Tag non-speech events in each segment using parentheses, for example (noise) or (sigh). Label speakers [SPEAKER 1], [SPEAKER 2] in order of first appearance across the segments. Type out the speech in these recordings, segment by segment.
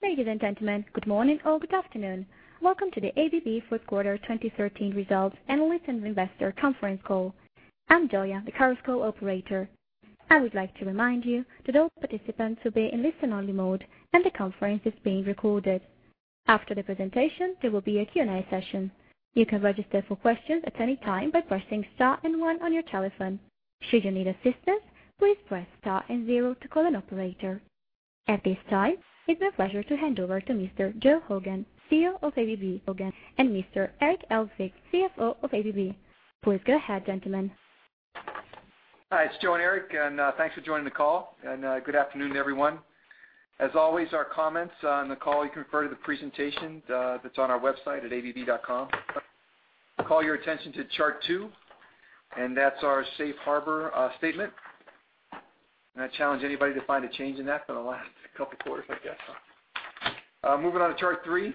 [SPEAKER 1] Ladies and gentlemen, good morning or good afternoon. Welcome to the ABB fourth quarter 2013 results analyst and investor conference call. I am Joya, the conference call operator. I would like to remind you that all participants will be in listen-only mode, and the conference is being recorded. After the presentation, there will be a Q&A session. You can register for questions at any time by pressing star and one on your telephone. Should you need assistance, please press star and zero to call an operator. At this time, it is my pleasure to hand over to Mr. Joe Hogan, CEO of ABB, and Mr. Eric Elzvik, CFO of ABB. Please go ahead, gentlemen.
[SPEAKER 2] Hi, it is Joe and Eric, and thanks for joining the call. Good afternoon, everyone. As always, our comments on the call, you can refer to the presentation that is on our website at abb.com. Call your attention to chart 2, and that is our safe harbor statement. I challenge anybody to find a change in that for the last couple of quarters, I guess. Moving on to chart 3.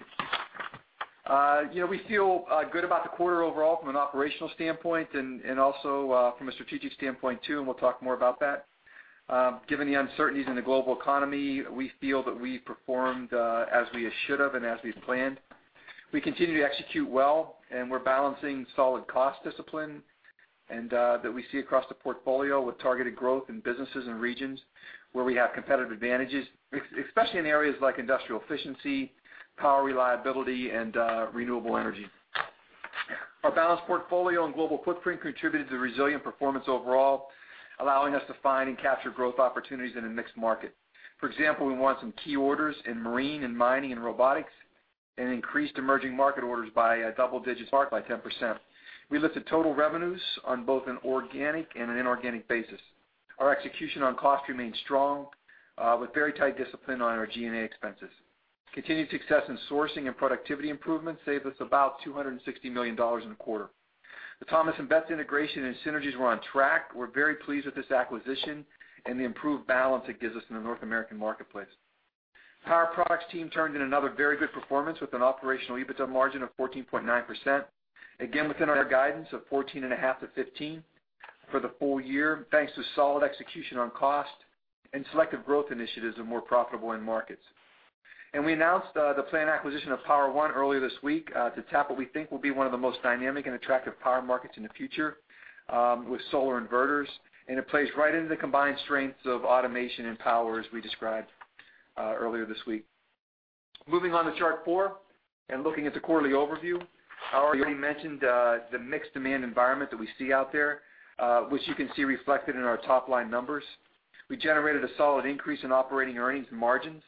[SPEAKER 2] We feel good about the quarter overall from an operational standpoint and also from a strategic standpoint too, and we will talk more about that. Given the uncertainties in the global economy, we feel that we performed as we should have and as we had planned. We continue to execute well, and we are balancing solid cost discipline that we see across the portfolio with targeted growth in businesses and regions where we have competitive advantages, especially in areas like industrial efficiency, power reliability, and renewable energy. Our balanced portfolio and global footprint contributed to the resilient performance overall, allowing us to find and capture growth opportunities in a mixed market. For example, we won some key orders in marine, and mining, and robotics, and increased emerging market orders by a double-digit mark by 10%. We lifted total revenues on both an organic and an inorganic basis. Our execution on cost remained strong, with very tight discipline on our G&A expenses. Continued success in sourcing and productivity improvements saved us about $260 million in the quarter. The Thomas & Betts integration and synergies were on track. We are very pleased with this acquisition and the improved balance it gives us in the North American marketplace. Power Products team turned in another very good performance with an operational EBITDA margin of 14.9%. Again, within our guidance of 14.5%-15% for the full year, thanks to solid execution on cost and selective growth initiatives in more profitable end markets. We announced the planned acquisition of Power-One earlier this week to tap what we think will be one of the most dynamic and attractive power markets in the future with solar inverters. And it plays right into the combined strengths of automation and power, as we described earlier this week. Moving on to chart 4 and looking at the quarterly overview. I already mentioned the mixed demand environment that we see out there, which you can see reflected in our top-line numbers. We generated a solid increase in operating earnings and margins.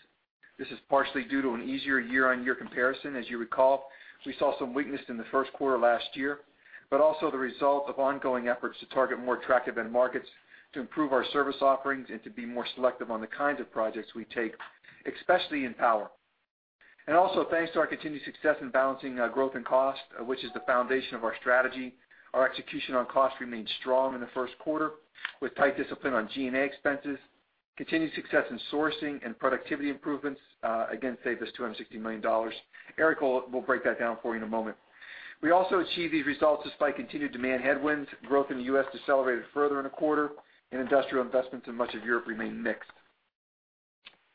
[SPEAKER 2] This is partially due to an easier year-on-year comparison. As you recall, we saw some weakness in the first quarter last year, but also the result of ongoing efforts to target more attractive end markets, to improve our service offerings, and to be more selective on the kinds of projects we take, especially in power. Also, thanks to our continued success in balancing growth and cost, which is the foundation of our strategy, our execution on cost remained strong in the first quarter, with tight discipline on G&A expenses. Continued success in sourcing and productivity improvements, again, saved us $260 million. Eric will break that down for you in a moment. We also achieved these results despite continued demand headwinds. Growth in the U.S. decelerated further in the quarter, and industrial investments in much of Europe remained mixed.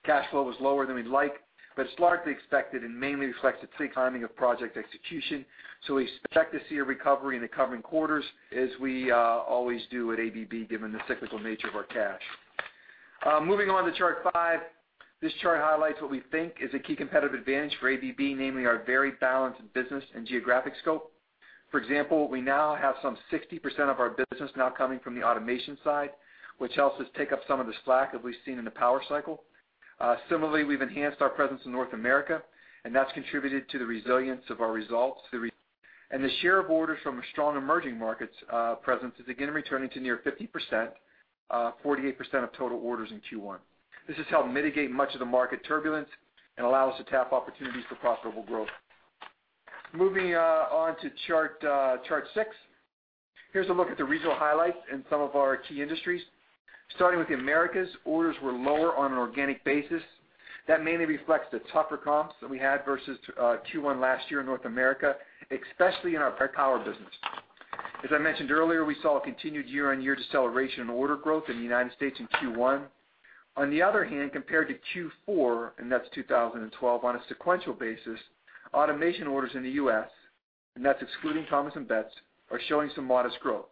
[SPEAKER 2] Cash flow was lower than we'd like, but it's largely expected and mainly reflects the timing of project execution. We expect to see a recovery in the coming quarters, as we always do at ABB, given the cyclical nature of our cash. Moving on to chart five. This chart highlights what we think is a key competitive advantage for ABB, namely our very balanced business and geographic scope. For example, we now have some 60% of our business now coming from the automation side, which helps us take up some of the slack that we've seen in the power cycle. Similarly, we've enhanced our presence in North America, and that's contributed to the resilience of our results. The share of orders from a strong emerging markets presence is again returning to near 50%, 48% of total orders in Q1. This has helped mitigate much of the market turbulence and allow us to tap opportunities for profitable growth. Moving on to chart six. Here's a look at the regional highlights in some of our key industries. Starting with the Americas, orders were lower on an organic basis. That mainly reflects the tougher comps that we had versus Q1 last year in North America, especially in our Power business. As I mentioned earlier, we saw a continued year-on-year deceleration in order growth in the U.S. in Q1. On the other hand, compared to Q4, and that's 2012 on a sequential basis, automation orders in the U.S., and that's excluding Thomas & Betts, are showing some modest growth.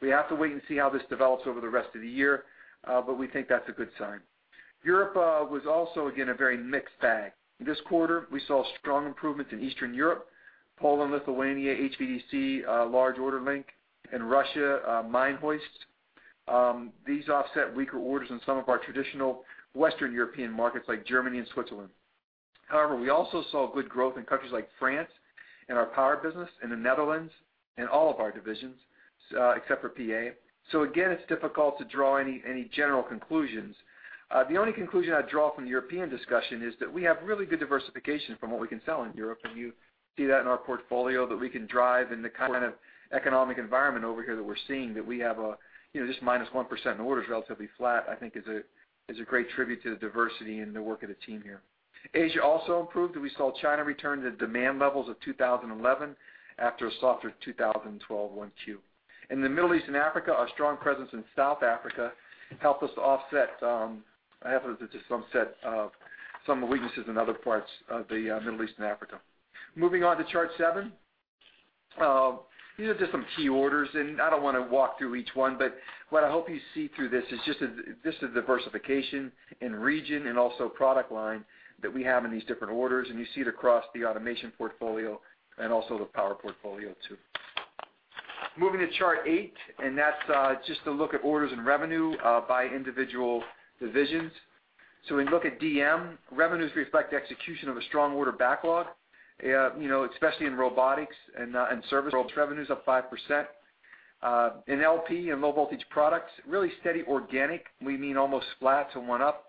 [SPEAKER 2] We have to wait and see how this develops over the rest of the year, but we think that's a good sign. Europe was also, again, a very mixed bag. This quarter, we saw strong improvements in Eastern Europe, Poland, Lithuania, HVDC, large order link, and Russia, mine hoists. These offset weaker orders in some of our traditional Western European markets like Germany and Switzerland. However, we also saw good growth in countries like France, in our Power business, in the Netherlands, in all of our divisions except for PA. Again, it's difficult to draw any general conclusions. The only conclusion I'd draw from the European discussion is that we have really good diversification from what we can sell in Europe, and you see that in our portfolio, that we can drive in the kind of economic environment over here that we're seeing, that we have just -1% in orders, relatively flat, I think is a great tribute to the diversity and the work of the team here. Asia also improved. We saw China return to demand levels of 2011 after a softer 2012 1Q. In the Middle East and Africa, our strong presence in South Africa helped us to offset some of the weaknesses in other parts of the Middle East and Africa. Moving on to chart seven. These are just some key orders. I don't want to walk through each one, but what I hope you see through this is just the diversification in region and also product line that we have in these different orders. You see it across the automation portfolio and also the power portfolio, too. Moving to chart eight. That's just a look at orders and revenue by individual divisions. When you look at DM, revenues reflect the execution of a strong order backlog, especially in robotics and service. Robotics revenues up 5%. In LP, in low voltage products, really steady organic. We mean almost flat to one up.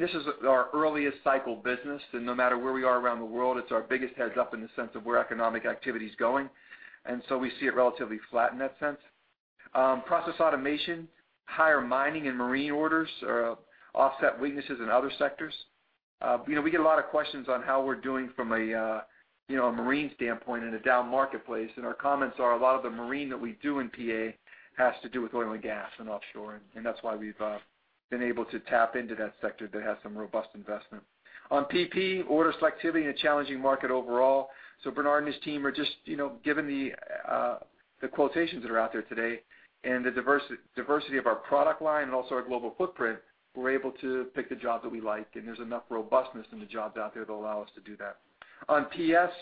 [SPEAKER 2] This is our earliest cycle business. No matter where we are around the world, it's our biggest heads up in the sense of where economic activity's going. We see it relatively flat in that sense. Process Automation, higher mining and marine orders offset weaknesses in other sectors. We get a lot of questions on how we're doing from a marine standpoint in a down marketplace, and our comments are a lot of the marine that we do in PA has to do with oil and gas and offshore, and that's why we've been able to tap into that sector that has some robust investment. On PP, order selectivity in a challenging market overall. Bernhard and his team are just, given the quotations that are out there today and the diversity of our product line and also our global footprint, we're able to pick the jobs that we like. There's enough robustness in the jobs out there to allow us to do that. On PS,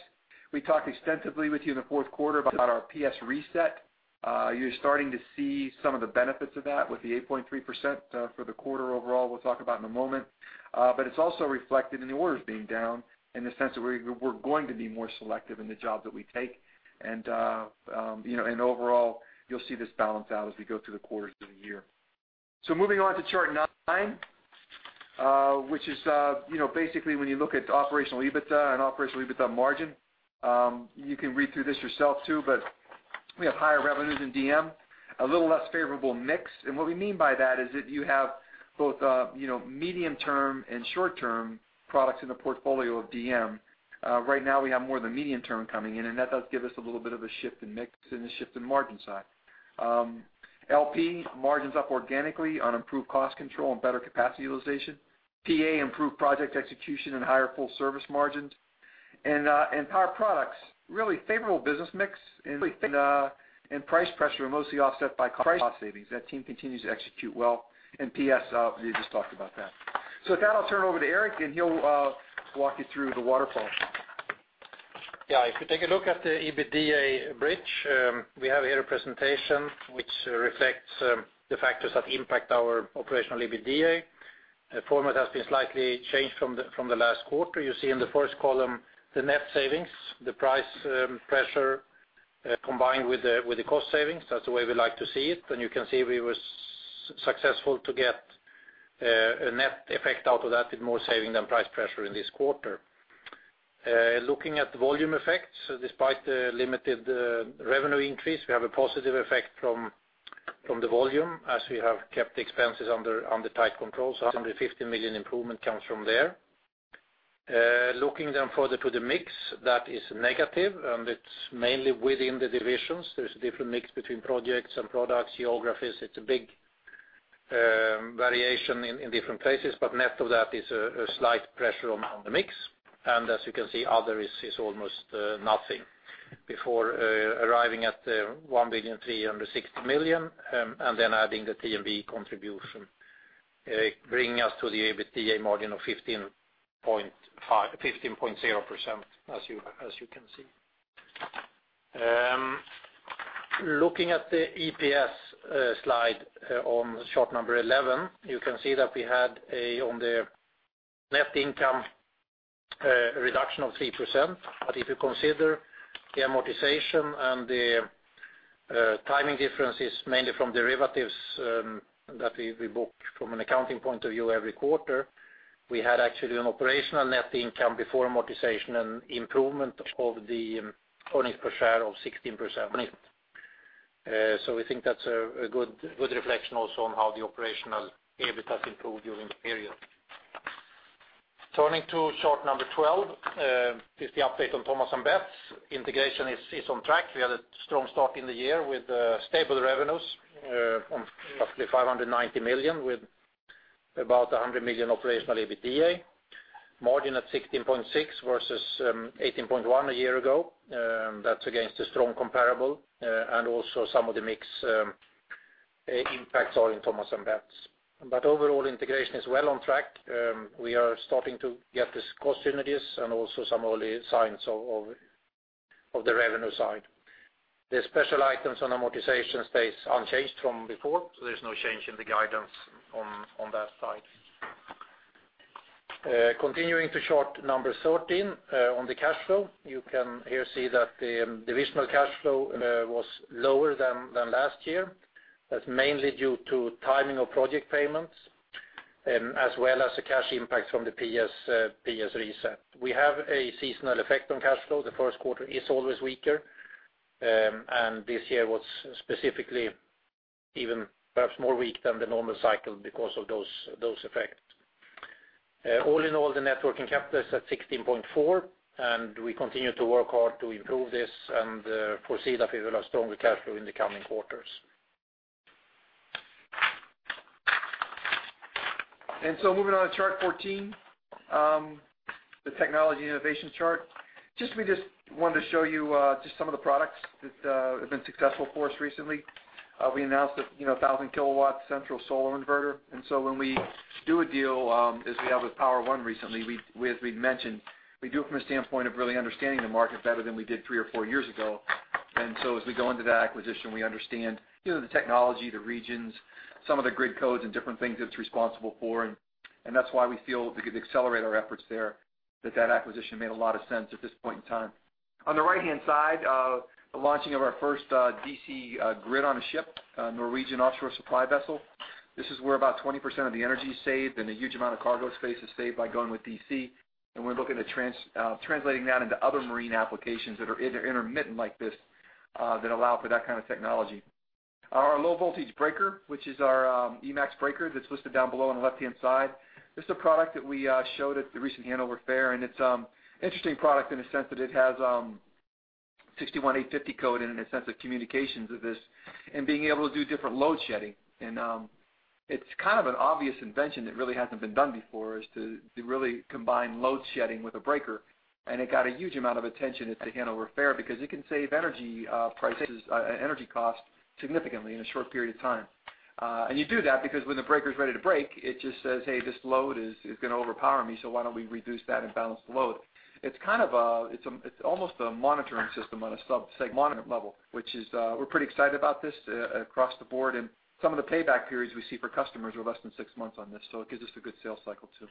[SPEAKER 2] we talked extensively with you in the fourth quarter about our PS reset. You're starting to see some of the benefits of that with the 8.3% for the quarter overall, we'll talk about in a moment. It's also reflected in the orders being down in the sense that we're going to be more selective in the jobs that we take. Overall, you'll see this balance out as we go through the quarters of the year. Moving on to chart nine, which is basically when you look at operational EBITDA and operational EBITDA margin. You can read through this yourself, too. We have higher revenues in DM, a little less favorable mix. What we mean by that is that you have both medium term and short term products in the portfolio of DM. Right now, we have more of the medium term coming in. That does give us a little bit of a shift in mix and a shift in margin side. LP, margins up organically on improved cost control and better capacity utilization. PA, improved project execution and higher full service margins. Power Products, really favorable business mix and price pressure were mostly offset by cost savings. That team continues to execute well. PS, we just talked about that. With that, I'll turn it over to Eric. He'll walk you through the waterfall.
[SPEAKER 3] If you take a look at the EBITDA bridge, we have here a presentation which reflects the factors that impact our operational EBITDA. The format has been slightly changed from the last quarter. You see in the first column, the net savings, the price pressure, combined with the cost savings. That's the way we like to see it. You can see we were successful to get a net effect out of that with more saving than price pressure in this quarter. Looking at volume effects, despite the limited revenue increase, we have a positive effect from the volume, as we have kept expenses under tight control. $150 million improvement comes from there. Looking further to the mix, that is negative, and it's mainly within the divisions. There's a different mix between projects and products, geographies. It's a big variation in different places, net of that is a slight pressure on the mix. As you can see, other is almost nothing. Before arriving at the $1.36 billion and adding the T&B contribution, bringing us to the EBITDA margin of 15.0%, as you can see. Looking at the EPS slide on chart number 11, you can see that we had, on the net income, a reduction of 3%. If you consider the amortization and the timing differences, mainly from derivatives that we book from an accounting point of view every quarter, we had actually an operational net income before amortization and improvement of the earnings per share of 16% on it. We think that's a good reflection also on how the operational EBIT has improved during the period. Turning to chart number 12, is the update on Thomas & Betts. Integration is on track. We had a strong start in the year with stable revenues on roughly $590 million with about $100 million operational EBITDA. Margin at 16.6% versus 18.1% a year ago. That's against a strong comparable and also some of the mix impacts all in Thomas & Betts. Overall integration is well on track. We are starting to get the cost synergies and also some early signs of the revenue side. The special items on amortization stays unchanged from before, there's no change in the guidance on that side. Continuing to chart number 13, on the cash flow. You can here see that the divisional cash flow was lower than last year. That's mainly due to timing of project payments, as well as the cash impact from the PS reset. We have a seasonal effect on cash flow. The first quarter is always weaker, this year was specifically even perhaps more weak than the normal cycle because of those effects. All in all, the net working capital is at 16.4%, we continue to work hard to improve this and foresee that we will have stronger cash flow in the coming quarters.
[SPEAKER 2] Moving on to chart 14, the technology innovation chart. We just wanted to show you just some of the products that have been successful for us recently. We announced a 1,000-kilowatt central solar inverter. When we do a deal, as we have with Power-One recently, as we had mentioned, we do it from a standpoint of really understanding the market better than we did three or four years ago. As we go into that acquisition, we understand the technology, the regions, some of the grid codes and different things it's responsible for, and that's why we feel we could accelerate our efforts there, that that acquisition made a lot of sense at this point in time. On the right-hand side, the launching of our first DC grid on a ship, a Norwegian offshore supply vessel. This is where about 20% of the energy is saved, and a huge amount of cargo space is saved by going with DC. We're looking at translating that into other marine applications that are intermittent like this, that allow for that kind of technology. Our low voltage breaker, which is our Emax breaker, that's listed down below on the left-hand side. This is a product that we showed at the recent Hannover Messe, and it's an interesting product in the sense that it has 61850 code in it, a sense of communications of this, and being able to do different load shedding. It's kind of an obvious invention that really hasn't been done before, is to really combine load shedding with a breaker. It got a huge amount of attention at the Hannover Messe because it can save energy prices and energy cost significantly in a short period of time. You do that because when the breaker's ready to break, it just says, "Hey, this load is going to overpower me, so why don't we reduce that and balance the load?" It's almost a monitoring system on a sub-segment level. We're pretty excited about this across the board, and some of the payback periods we see for customers are less than six months on this, so it gives us a good sales cycle too.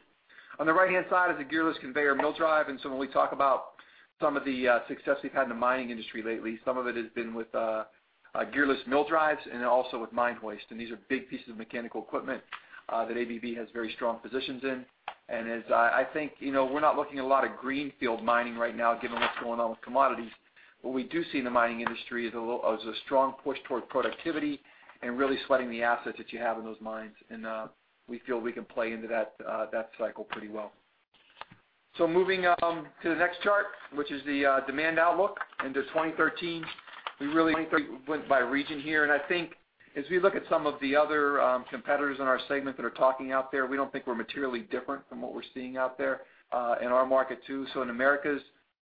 [SPEAKER 2] On the right-hand side is a gearless conveyor mill drive. When we talk about some of the success we've had in the mining industry lately, some of it has been with gearless mill drives and also with mine hoist. These are big pieces of mechanical equipment that ABB has very strong positions in. I think we're not looking at a lot of greenfield mining right now, given what's going on with commodities. What we do see in the mining industry is a strong push toward productivity and really sweating the assets that you have in those mines, and we feel we can play into that cycle pretty well. Moving to the next chart, which is the demand outlook into 2013. We really went by region here. I think as we look at some of the other competitors in our segment that are talking out there, we don't think we're materially different from what we're seeing out there in our market, too. In Americas,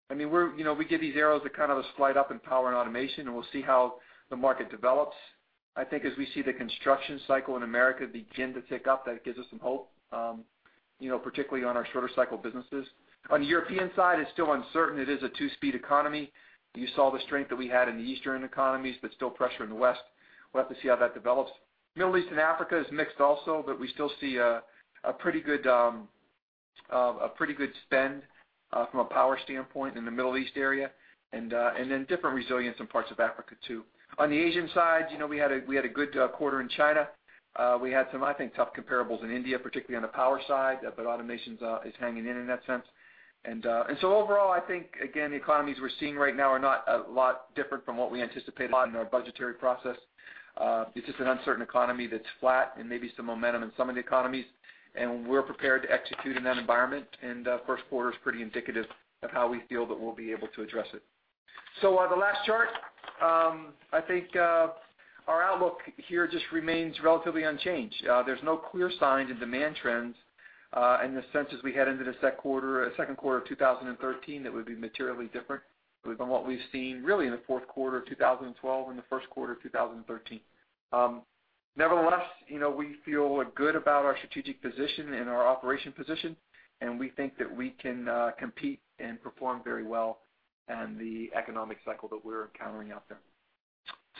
[SPEAKER 2] we give these arrows a kind of a slight up in power and automation, and we'll see how the market develops. I think as we see the construction cycle in America begin to tick up, that gives us some hope, particularly on our shorter cycle businesses. On the European side, it is still uncertain. It is a two-speed economy. You saw the strength that we had in the eastern economies, but still pressure in the west. We will have to see how that develops. Middle East and Africa is mixed also, but we still see a pretty good spend from a power standpoint in the Middle East area, and then different resilience in parts of Africa, too. On the Asian side, we had a good quarter in China. We had some, I think, tough comparables in India, particularly on the power side, but automations is hanging in in that sense. Overall, I think, again, the economies we are seeing right now are not a lot different from what we anticipated in our budgetary process. It is just an uncertain economy that is flat and maybe some momentum in some of the economies. We are prepared to execute in that environment. First quarter is pretty indicative of how we feel that we will be able to address it. The last chart, I think our outlook here just remains relatively unchanged. There is no clear sign in demand trends in the sense as we head into the second quarter of 2013 that would be materially different from what we have seen really in the fourth quarter of 2012 and the first quarter of 2013. Nevertheless, we feel good about our strategic position and our operation position, and we think that we can compete and perform very well in the economic cycle that we are encountering out there.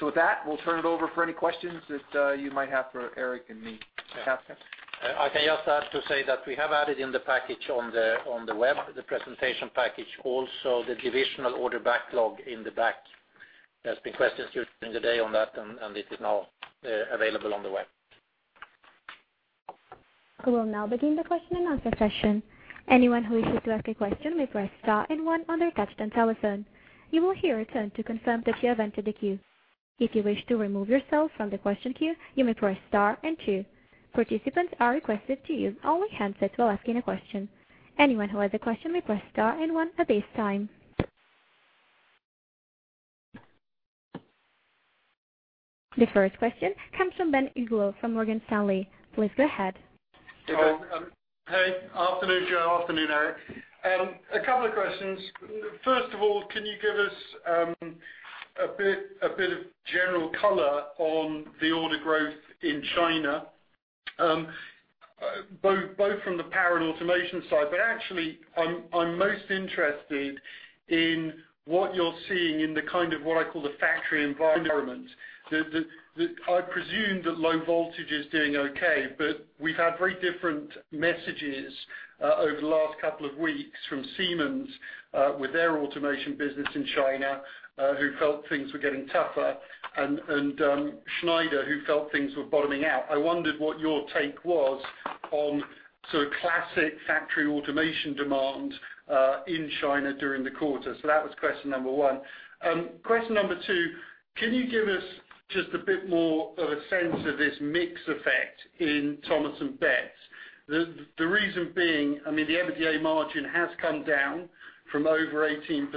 [SPEAKER 2] With that, we will turn it over for any questions that you might have for Eric and me.
[SPEAKER 3] I can just add to say that we have added in the package on the web, the presentation package, also the divisional order backlog in the back. There has been questions during the day on that. It is now available on the web.
[SPEAKER 1] We will now begin the question and answer session. Anyone who wishes to ask a question may press star and one on their touch-tone telephone. You will hear a tone to confirm that you have entered the queue. If you wish to remove yourself from the question queue, you may press star and two. Participants are requested to use only handsets while asking a question. Anyone who has a question may press star and one at this time. The first question comes from Ben Uglow from Morgan Stanley. Please go ahead.
[SPEAKER 4] Hey. Afternoon, Joe. Afternoon, Eric. A couple of questions. First of all, can you give us a bit of general color on the order growth in China, both from the power and automation side, but actually, I'm most interested in what you're seeing in the kind of what I call the factory environment. I presume that low voltage is doing okay, but we've had very different messages over the last couple of weeks from Siemens with their automation business in China, who felt things were getting tougher, and Schneider, who felt things were bottoming out. I wondered what your take was on sort of classic factory automation demand in China during the quarter. That was question number 1. Question number 2, can you give us just a bit more of a sense of this mix effect in Thomas & Betts?
[SPEAKER 2] The reason being, the EBITDA margin has come down from over 18%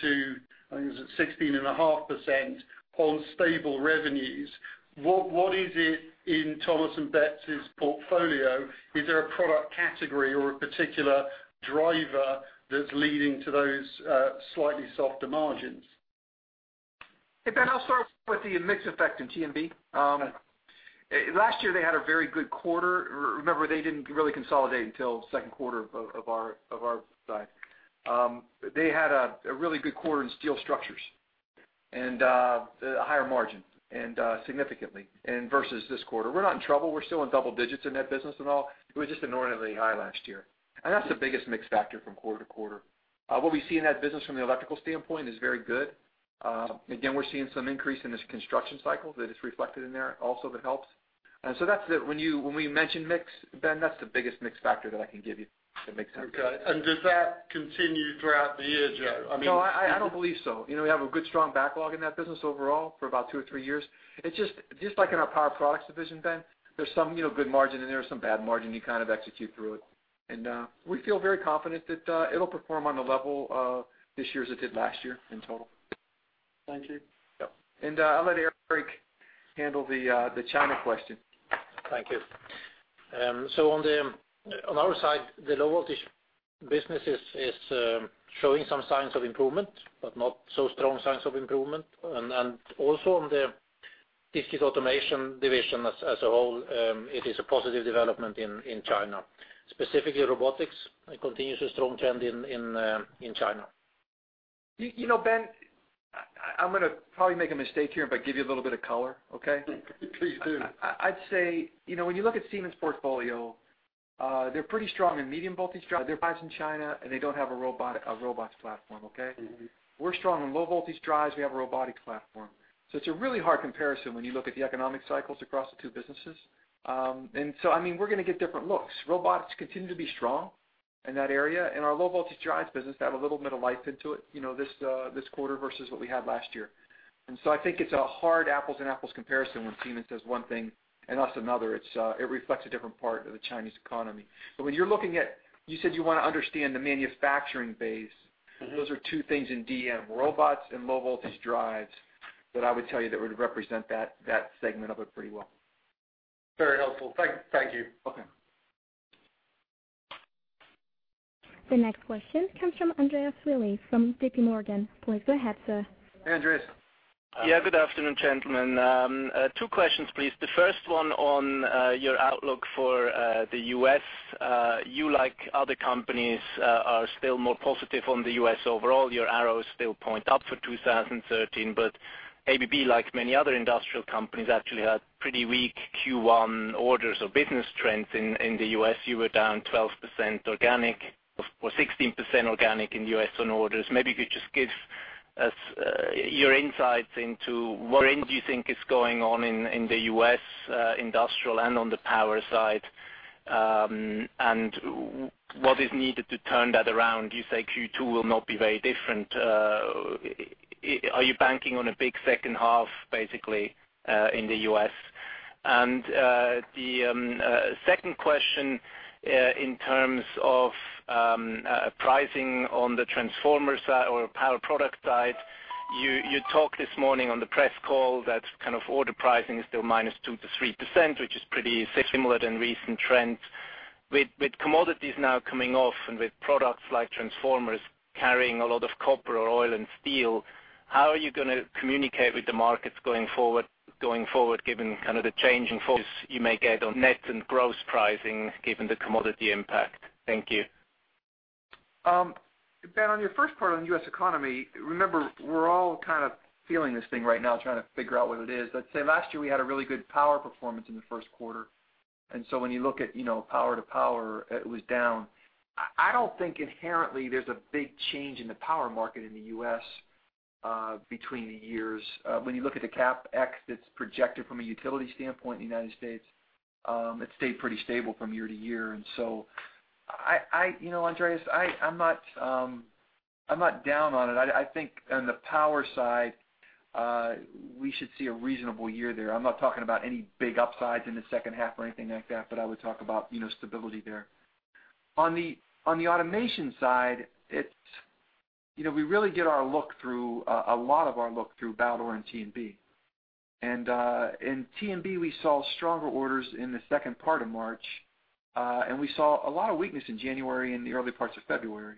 [SPEAKER 2] to, I think it was at 16.5% on stable revenues. What is it in Thomas & Betts' portfolio? Is there a product category or a particular driver that's leading to those slightly softer margins? Hey, Ben, I'll start with the mix effect in T&B.
[SPEAKER 4] Okay.
[SPEAKER 2] Last year, they had a very good quarter. Remember, they didn't really consolidate until the second quarter of our side. They had a really good quarter in steel structures, and a higher margin, and significantly, versus this quarter. We're not in trouble. We're still in double digits in that business and all. It was just inordinately high last year. That's the biggest mix factor from quarter to quarter. What we see in that business from the electrical standpoint is very good. Again, we're seeing some increase in this construction cycle that is reflected in there also that helps. So that's it. When we mention mix, Ben, that's the biggest mix factor that I can give you that makes sense.
[SPEAKER 4] Okay. Does that continue throughout the year, Joe?
[SPEAKER 2] No, I don't believe so. We have a good, strong backlog in that business overall for about two or three years. It's just like in our Power Products division, Ben. There's some good margin in there, some bad margin. You kind of execute through it. We feel very confident that it'll perform on the level this year as it did last year in total.
[SPEAKER 4] Thank you.
[SPEAKER 2] Yep. I'll let Eric handle the China question.
[SPEAKER 3] Thank you. On our side, the Low Voltage business is showing some signs of improvement, but not so strong signs of improvement. Also on the Discrete Automation division as a whole, it is a positive development in China. Specifically robotics, it continues a strong trend in China.
[SPEAKER 2] Ben, I'm going to probably make a mistake here, but give you a little bit of color, okay?
[SPEAKER 4] Please do.
[SPEAKER 2] I'd say, when you look at Siemens portfolio, they're pretty strong in medium-voltage drives. They're biased in China, and they don't have a robotics platform, okay? We're strong in low-voltage drives. We have a robotics platform. It's a really hard comparison when you look at the economic cycles across the two businesses. We're going to get different looks. Robotics continue to be strong in that area. In our low-voltage drives business, they have a little bit of life into it, this quarter versus what we had last year. I think it's a hard apples and apples comparison when Siemens says one thing and us another. It reflects a different part of the Chinese economy. When you're looking at, you said you want to understand the manufacturing base. Those are two things in DM, robots and low-voltage drives, that I would tell you that would represent that segment of it pretty well.
[SPEAKER 4] Very helpful. Thank you.
[SPEAKER 2] Okay.
[SPEAKER 1] The next question comes from Andreas Willi from JPMorgan. Please go ahead, sir.
[SPEAKER 2] Andreas.
[SPEAKER 5] Yeah, good afternoon, gentlemen. Two questions, please. The first one on your outlook for the U.S. You, like other companies, are still more positive on the U.S. overall. Your arrows still point up for 2013. ABB, like many other industrial companies, actually had pretty weak Q1 orders or business trends in the U.S. You were down 12% organic, or 16% organic in the U.S. on orders. Maybe if you just give us your insights into what do you think is going on in the U.S. industrial and on the power side, and what is needed to turn that around. You say Q2 will not be very different. Are you banking on a big second half, basically, in the U.S.? The second question, in terms of pricing on the transformer side or Power Products side, you talked this morning on the press call that kind of order pricing is still -2% to -3%, which is pretty similar than recent trends. With commodities now coming off and with products like transformers carrying a lot of copper or oil and steel, how are you going to communicate with the markets going forward, given kind of the change in focus you may get on net and gross pricing, given the commodity impact? Thank you.
[SPEAKER 2] Ben, on your first part on the U.S. economy, remember, we're all kind of feeling this thing right now, trying to figure out what it is. Let's say last year, we had a really good power performance in the first quarter. When you look at power to power, it was down. I don't think inherently there's a big change in the power market in the U.S. between the years. When you look at the CapEx that's projected from a utility standpoint in the United States, it stayed pretty stable from year to year. Andreas, I'm not down on it. I think on the power side, we should see a reasonable year there. I'm not talking about any big upsides in the second half or anything like that, but I would talk about stability there. On the automation side, we really get a lot of our look through Baldor and T&B. In T&B, we saw stronger orders in the second part of March. We saw a lot of weakness in January and the early parts of February.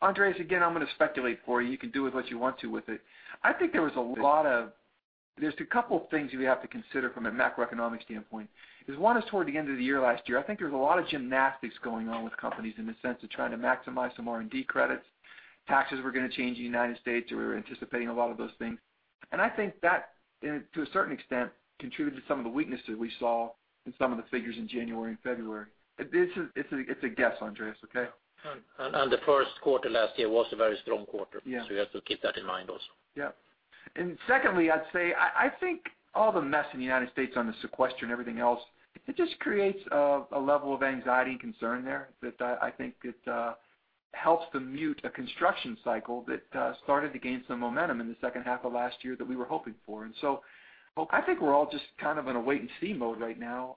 [SPEAKER 2] Andreas, again, I'm going to speculate for you. You can do with what you want to with it. There's a couple of things you have to consider from a macroeconomic standpoint, because one is toward the end of the year last year. I think there's a lot of gymnastics going on with companies in the sense of trying to maximize some R&D credits. Taxes were going to change in the United States. We were anticipating a lot of those things. I think that, to a certain extent, contributed to some of the weaknesses we saw in some of the figures in January and February. It's a guess, Andreas, okay?
[SPEAKER 3] The first quarter last year was a very strong quarter.
[SPEAKER 2] Yeah.
[SPEAKER 3] You have to keep that in mind also.
[SPEAKER 2] Yep. Secondly, I'd say, I think all the mess in the U.S. on the sequester and everything else, it just creates a level of anxiety and concern there that I think it helps to mute a construction cycle that started to gain some momentum in the second half of last year that we were hoping for. I think we're all just kind of in a wait-and-see mode right now.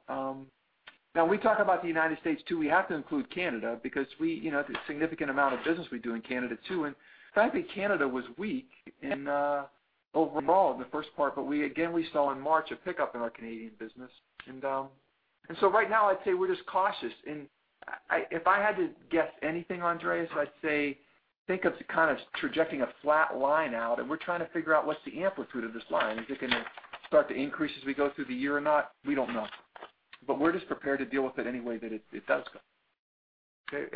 [SPEAKER 2] We talk about the U.S., too. We have to include Canada because the significant amount of business we do in Canada, too. Frankly, Canada was weak overall in the first part, but again, we saw in March a pickup in our Canadian business. Right now, I'd say we're just cautious. If I had to guess anything, Andreas, I'd say, think of kind of trajecting a flat line out, and we're trying to figure out what's the amplitude of this line. Is it going to start to increase as we go through the year or not? We don't know. We're just prepared to deal with it any way that it does go. Okay.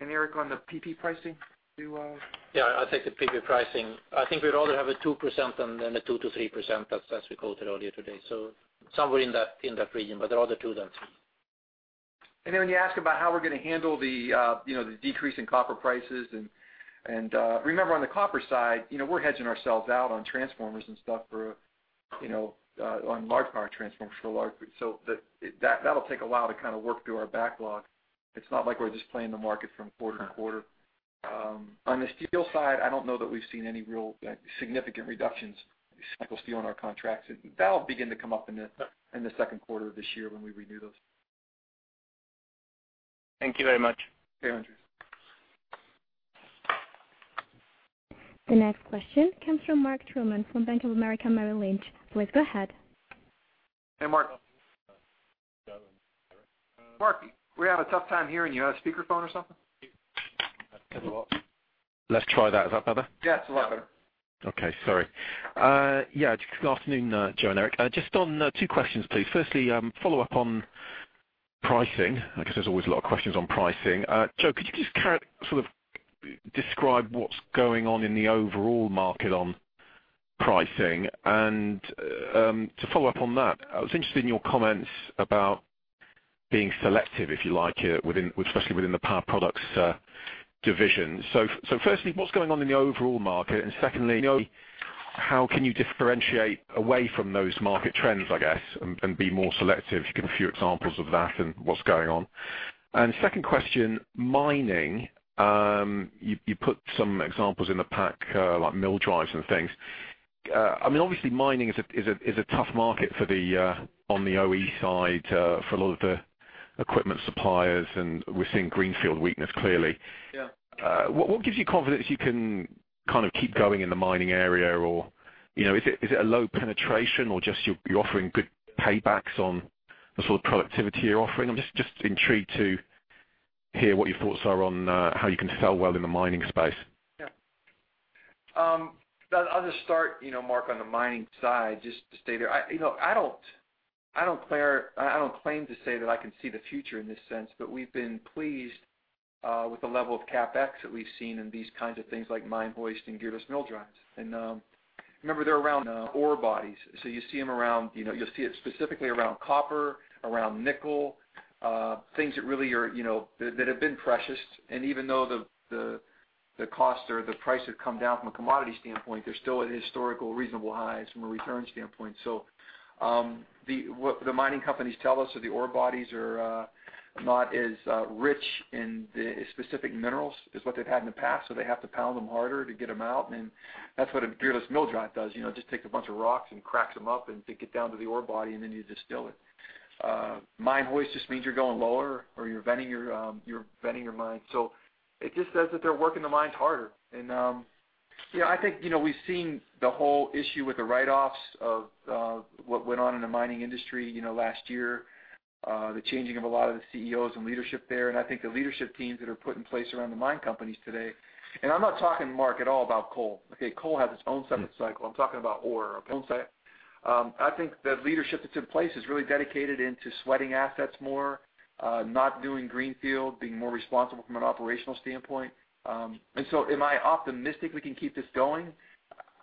[SPEAKER 2] Eric, on the PP pricing, do you-
[SPEAKER 3] Yeah, I'll take the PP pricing. I think we'd rather have a 2% than the 2%-3% as we quoted earlier today. Somewhere in that region, rather 2% than 3%.
[SPEAKER 2] When you ask about how we're going to handle the decrease in copper prices and remember, on the copper side, we're hedging ourselves out on transformers and stuff for on large power transformers for the large group. That'll take a while to kind of work through our backlog. It's not like we're just playing the market from quarter to quarter. On the steel side, I don't know that we've seen any real significant reductions in recycled steel in our contracts. That'll begin to come up in the second quarter of this year when we renew those.
[SPEAKER 5] Thank you very much.
[SPEAKER 2] Okay, Andreas.
[SPEAKER 1] The next question comes from Mark Troman from Bank of America Merrill Lynch. Please go ahead.
[SPEAKER 2] Hey, Mark. Mark, we have a tough time hearing you. You on speakerphone or something?
[SPEAKER 6] Let's try that. Is that better?
[SPEAKER 2] Yeah, it's a lot better.
[SPEAKER 6] Okay. Sorry. Yeah. Good afternoon, Joe and Eric. Just two questions, please. Firstly, follow up on pricing, because there's always a lot of questions on pricing. Joe, could you just kind of describe what's going on in the overall market on pricing? To follow up on that, I was interested in your comments about being selective, if you like, especially within the Power Products division. Firstly, what's going on in the overall market? Secondly, how can you differentiate away from those market trends, I guess, and be more selective? Give a few examples of that and what's going on. Second question, mining. You put some examples in the pack, like mill drives and things. Obviously, mining is a tough market on the OE side for a lot of the equipment suppliers, and we're seeing greenfield weakness, clearly.
[SPEAKER 2] Yeah.
[SPEAKER 6] What gives you confidence you can kind of keep going in the mining area? Is it a low penetration or just you're offering good paybacks on the sort of productivity you're offering? I'm just intrigued to hear what your thoughts are on how you can sell well in the mining space.
[SPEAKER 2] Yeah. I'll just start, Mark, on the mining side, just to stay there. I don't claim to say that I can see the future in this sense, but we've been pleased with the level of CapEx that we've seen in these kinds of things like mine hoist and gearless mill drives. Remember, they're around ore bodies, so you'll see it specifically around copper, around nickel, things that have been precious. Even though the cost or the price have come down from a commodity standpoint, they're still at historical reasonable highs from a return standpoint. What the mining companies tell us are the ore bodies are not as rich in the specific minerals as what they've had in the past, so they have to pound them harder to get them out, and that's what a gearless mill drive does. Just takes a bunch of rocks and cracks them up and take it down to the ore body, and then you distill it. Mine hoist just means you're going lower or you're venting your mine. It just says that they're working the mines harder. I think we've seen the whole issue with the write-offs of what went on in the mining industry last year, the changing of a lot of the CEOs and leadership there, and I think the leadership teams that are put in place around the mine companies today. I'm not talking, Mark, at all about coal. Okay? Coal has its own separate cycle. I'm talking about ore. I think the leadership that's in place is really dedicated into sweating assets more, not doing greenfield, being more responsible from an operational standpoint. Am I optimistic we can keep this going?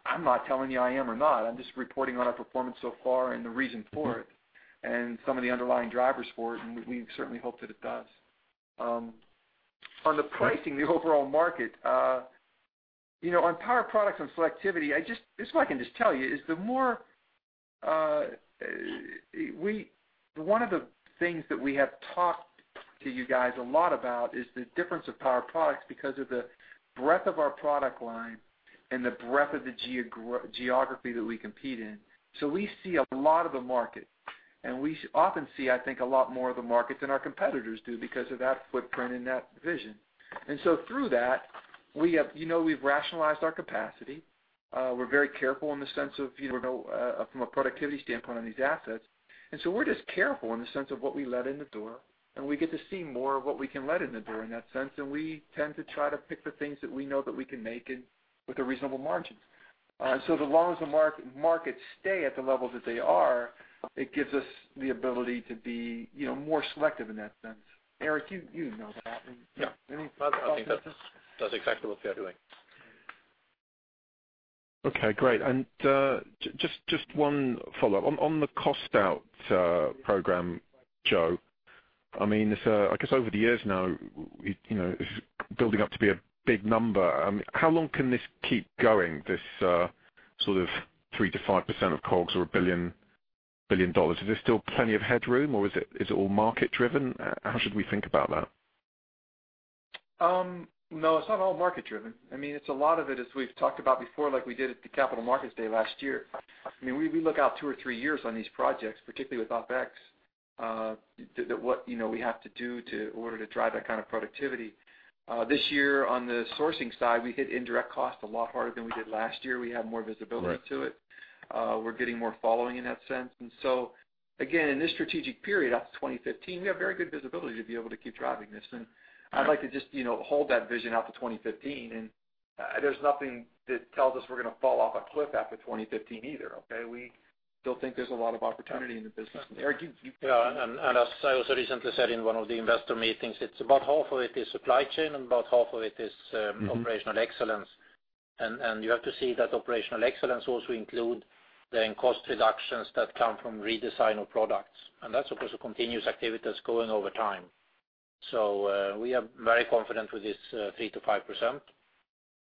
[SPEAKER 2] I'm not telling you I am or not. I'm just reporting on our performance so far and the reason for it and some of the underlying drivers for it, and we certainly hope that it does. On the pricing, the overall market. On Power Products and selectivity, I guess what I can just tell you is one of the things that we have talked to you guys a lot about is the difference of Power Products because of the breadth of our product line and the breadth of the geography that we compete in. We see a lot of the market, and we often see, I think, a lot more of the market than our competitors do because of that footprint and that vision. Through that, we've rationalized our capacity. We're very careful in the sense of from a productivity standpoint on these assets. We're just careful in the sense of what we let in the door, we get to see more of what we can let in the door in that sense, we tend to try to pick the things that we know that we can make and with a reasonable margin. As long as the markets stay at the levels that they are, it gives us the ability to be more selective in that sense. Eric, you know that.
[SPEAKER 3] Yeah.
[SPEAKER 2] Any thoughts on this?
[SPEAKER 3] That's exactly what we are doing.
[SPEAKER 6] Okay, great. Just one follow-up. On the cost out program, Joe, I guess over the years now, it's building up to be a big number. How long can this keep going, this sort of 3%-5% of COGS or $1 billion? Is there still plenty of headroom, or is it all market-driven? How should we think about that?
[SPEAKER 2] No, it's not all market-driven. It's a lot of it, as we've talked about before, like we did at the Capital Markets Day last year. We look out two or three years on these projects, particularly with OpEx, what we have to do in order to drive that kind of productivity. This year on the sourcing side, we hit indirect costs a lot harder than we did last year. We have more visibility to it. We're getting more following in that sense. Again, in this strategic period, out to 2015, we have very good visibility to be able to keep driving this, and I'd like to just hold that vision out to 2015, and there's nothing that tells us we're going to fall off a cliff after 2015 either, okay? We still think there's a lot of opportunity in the business. Eric, you-
[SPEAKER 3] Yeah, as I also recently said in one of the investor meetings, about half of it is supply chain and about half of it is operational excellence. You have to see that operational excellence also include the cost reductions that come from redesign of products. That's, of course, a continuous activity that's going over time. We are very confident with this 3%-5%.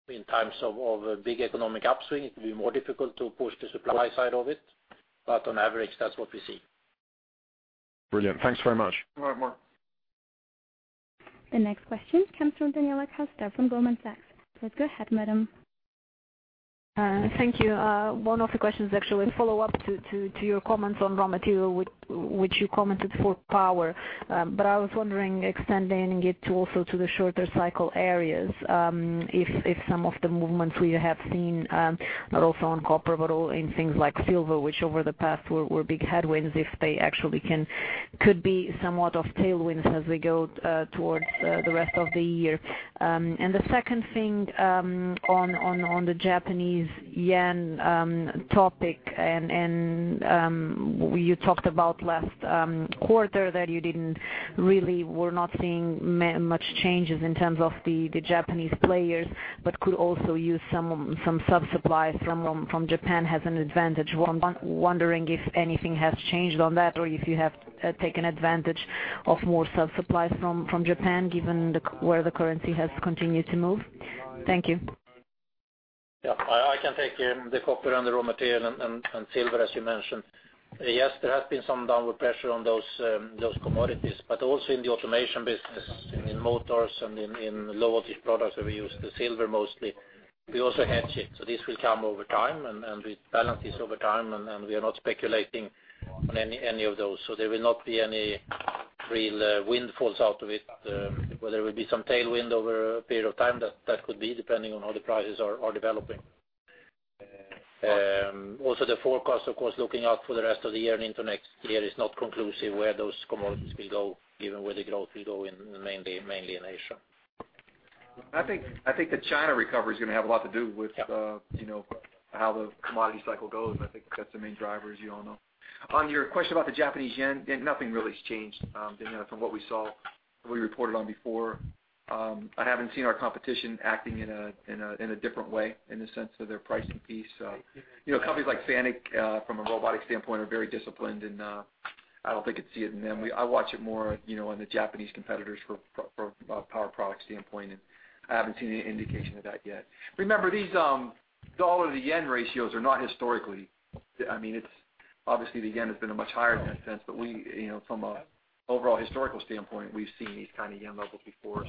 [SPEAKER 3] In times of a big economic upswing, it will be more difficult to push the supply side of it. On average, that's what we see.
[SPEAKER 6] Brilliant. Thanks very much.
[SPEAKER 2] You're welcome.
[SPEAKER 1] The next question comes from Daniela Costa from Goldman Sachs. Please go ahead, madam.
[SPEAKER 7] Thank you. One of the questions actually follow up to your comments on raw material, which you commented for power. I was wondering, extending it also to the shorter cycle areas, if some of the movements we have seen, not also on copper, but in things like silver, which over the past were big headwinds, if they actually could be somewhat of tailwinds as we go towards the rest of the year. The second thing on the Japanese yen topic, you talked about last quarter that you really were not seeing much changes in terms of the Japanese players, but could also use some sub-supply from Japan as an advantage. I'm wondering if anything has changed on that or if you have taken advantage of more sub-supply from Japan given where the currency has continued to move. Thank you.
[SPEAKER 3] I can take the copper and the raw material and silver, as you mentioned. Yes, there has been some downward pressure on those commodities, but also in the automation business, in motors and in low-voltage products where we use the silver mostly, we also hedge it. This will come over time, and we balance this over time, and we are not speculating on any of those. There will not be any real windfalls out of it. Where there will be some tailwind over a period of time, that could be, depending on how the prices are developing. The forecast, of course, looking out for the rest of the year and into next year is not conclusive where those commodities will go, given where the growth will go mainly in Asia.
[SPEAKER 2] I think the China recovery is going to have a lot to do with how the commodity cycle goes. I think that's the main driver, as you all know. On your question about the Japanese yen, nothing really has changed from what we saw, what we reported on before. I haven't seen our competition acting in a different way in the sense of their pricing piece. Companies like Fanuc, from a robotics standpoint, are very disciplined, and I don't think you'd see it in them. I watch it more in the Japanese competitors from a Power Products standpoint, and I haven't seen any indication of that yet. Remember, these dollar to yen ratios are not historically, obviously the yen has been a much higher in that sense, but from an overall historical standpoint, we've seen these kind of yen levels before.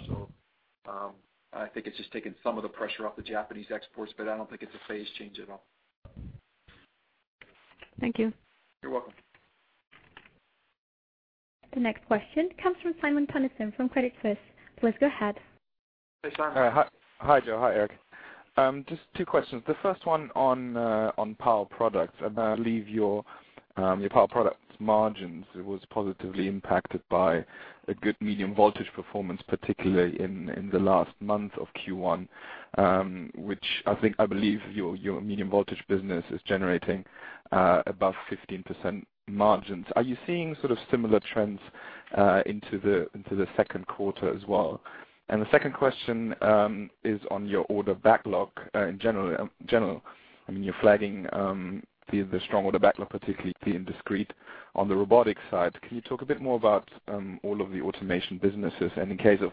[SPEAKER 2] I think it's just taken some of the pressure off the Japanese exports, but I don't think it's a phase change at all.
[SPEAKER 7] Thank you.
[SPEAKER 2] You're welcome.
[SPEAKER 1] The next question comes from Simon Toennessen from Credit Suisse. Please go ahead.
[SPEAKER 2] Hey, Simon.
[SPEAKER 8] Hi, Joe. Hi, Eric. Just two questions. The first one on Power Products. I believe your Power Products margins was positively impacted by a good medium-voltage performance, particularly in the last month of Q1, which I believe your medium-voltage business is generating above 15% margins. Are you seeing sort of similar trends into the second quarter as well? The second question is on your order backlog in general. You're flagging the strong order backlog, particularly in Discrete on the robotics side. Can you talk a bit more about all of the automation businesses and in case of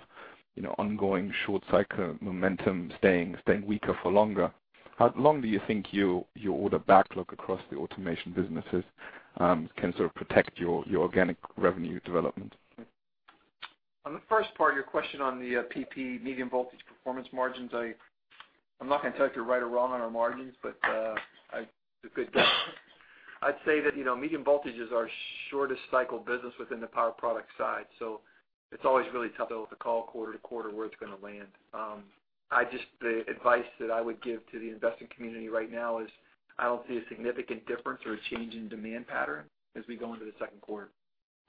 [SPEAKER 8] ongoing short cycle momentum staying weaker for longer, how long do you think your order backlog across the automation businesses can sort of protect your organic revenue development?
[SPEAKER 2] On the first part of your question on the PP medium-voltage performance margins, I'm not going to tell you if you're right or wrong on our margins, but it's a good guess. I'd say that medium voltage is our shortest cycle business within the Power Products side. It's always really tough to call quarter to quarter where it's going to land. The advice that I would give to the investing community right now is I don't see a significant difference or a change in demand pattern as we go into the second quarter.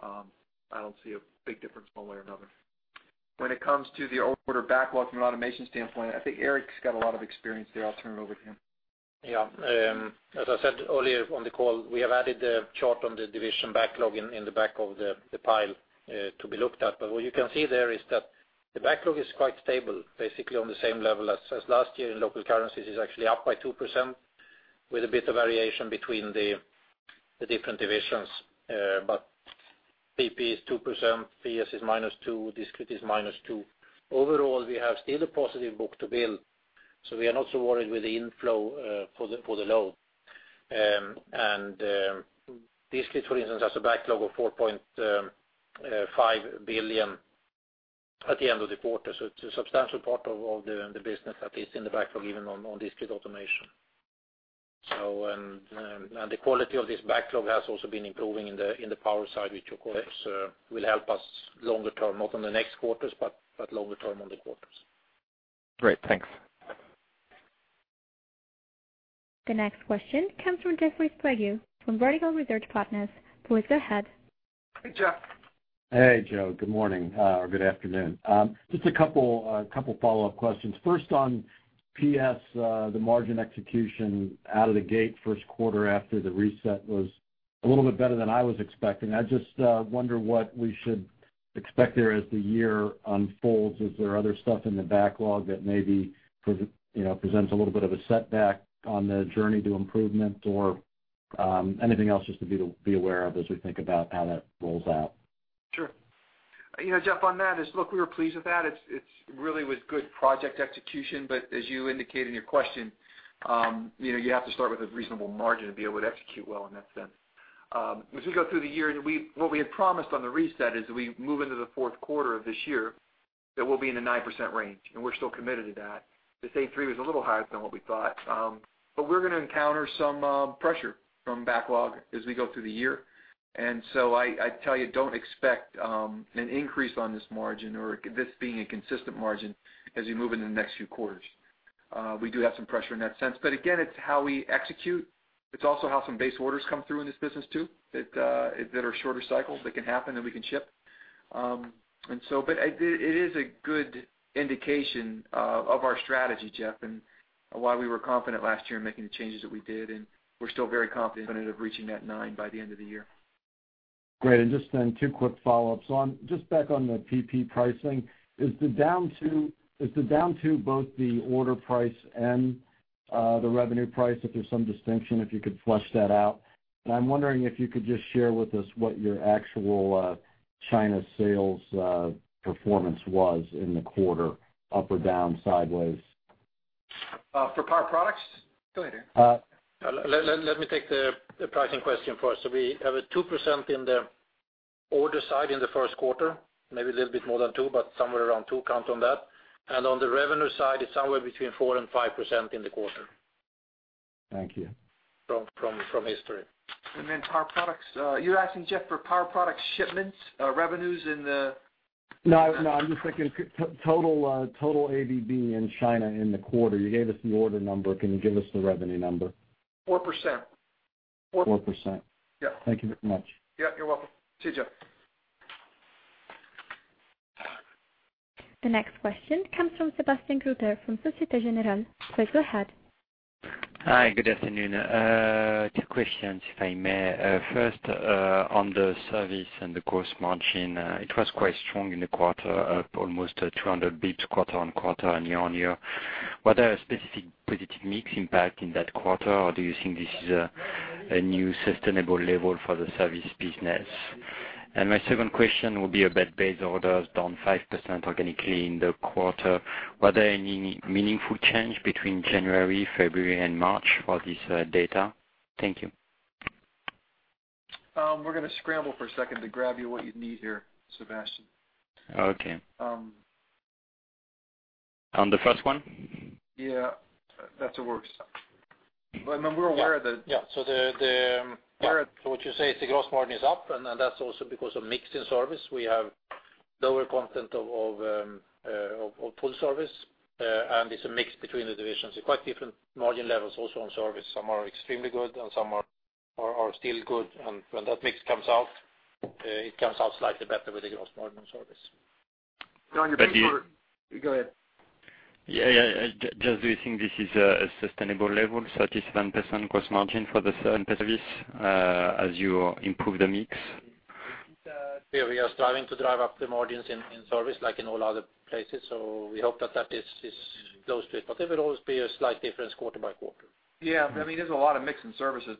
[SPEAKER 2] I don't see a big difference one way or another. When it comes to the order backlog from an automation standpoint, I think Eric's got a lot of experience there. I'll turn it over to him.
[SPEAKER 3] As I said earlier on the call, we have added a chart on the division backlog in the back of the pile to be looked at. What you can see there is that the backlog is quite stable, basically on the same level as last year. In local currencies, it's actually up by 2%, with a bit of variation between the different divisions. PP is 2%, PS is -2%, Discrete is -2%. Overall, we have still a positive book to build, we are not so worried with the inflow for the load. Discrete for instance, has a backlog of $4.5 billion at the end of the quarter. It's a substantial part of the business that is in the backlog, even on Discrete Automation. The quality of this backlog has also been improving in the Power side, which of course, will help us longer term, not in the next quarters, but longer term on the quarters.
[SPEAKER 8] Great. Thanks.
[SPEAKER 1] The next question comes from Jeffrey Sprague from Vertical Research Partners. Please go ahead.
[SPEAKER 2] Hey, Jeff.
[SPEAKER 9] Hey, Joe. Good morning or good afternoon. Just a couple follow-up questions. First on PS, the margin execution out of the gate first quarter after the reset was a little bit better than I was expecting. I just wonder what we should expect there as the year unfolds. Is there other stuff in the backlog that maybe presents a little bit of a setback on the journey to improvement or anything else just to be aware of as we think about how that rolls out?
[SPEAKER 2] Sure. Jeff, on that, look, we were pleased with that. It really was good project execution. As you indicate in your question, you have to start with a reasonable margin to be able to execute well in that sense. As we go through the year, what we had promised on the reset as we move into the fourth quarter of this year, that we'll be in the 9% range. We're still committed to that. Just 83% was a little higher than what we thought. We're going to encounter some pressure from backlog as we go through the year. I tell you, don't expect an increase on this margin or this being a consistent margin as we move into the next few quarters. We do have some pressure in that sense. Again, it's how we execute. It's also how some base orders come through in this business, too, that are shorter cycles, that can happen, and we can ship. It is a good indication of our strategy, Jeff, and why we were confident last year in making the changes that we did, and we're still very confident of reaching that 9% by the end of the year.
[SPEAKER 9] Great. Just then two quick follow-ups. Just back on the PP pricing. Is the down to both the order price and the revenue price, if there's some distinction, if you could flesh that out? I'm wondering if you could just share with us what your actual China sales performance was in the quarter, up or down, sideways.
[SPEAKER 2] For Power Products? Go ahead, Eric.
[SPEAKER 3] Let me take the pricing question first. We have a 2% in the order side in the first quarter, maybe a little bit more than 2%, but somewhere around 2%, count on that. On the revenue side, it's somewhere between 4% and 5% in the quarter.
[SPEAKER 9] Thank you.
[SPEAKER 3] From history.
[SPEAKER 2] Power Products, you're asking, Jeff, for Power Products shipments, revenues in the-
[SPEAKER 9] I'm just thinking total ABB in China in the quarter. You gave us the order number. Can you give us the revenue number?
[SPEAKER 2] 4%.
[SPEAKER 9] 4%.
[SPEAKER 2] Yeah.
[SPEAKER 9] Thank you very much.
[SPEAKER 2] You're welcome. See you, Jeff.
[SPEAKER 1] The next question comes from Sebastian Kuenne from Societe Generale. Please go ahead.
[SPEAKER 10] Hi, good afternoon. Two questions, if I may. First, on the service and the gross margin, it was quite strong in the quarter, up almost 200 basis points quarter-over-quarter and year-over-year. Were there specific positive mix impact in that quarter, or do you think this is a new sustainable level for the service business? My second question will be about base orders down 5% organically in the quarter. Were there any meaningful change between January, February, and March for this data? Thank you.
[SPEAKER 2] We're going to scramble for a second to grab you what you need here, Sebastian.
[SPEAKER 10] Okay. On the first one?
[SPEAKER 2] Yeah. That's a work stuff. No, we're aware of that.
[SPEAKER 3] Yeah. What you say is the gross margin is up, that's also because of mix in service. We have lower content of full service, it's a mix between the divisions. Quite different margin levels also on service. Some are extremely good, and some are still good. When that mix comes out, it comes out slightly better with the gross margin on service.
[SPEAKER 2] (inaudible) Go ahead.
[SPEAKER 10] Yeah. Just do you think this is a sustainable level, 37% gross margin for the service as you improve the mix?
[SPEAKER 3] We are striving to drive up the margins in service like in all other places, we hope that that is close to it. There will always be a slight difference quarter by quarter.
[SPEAKER 2] Yeah. There's a lot of mix in services,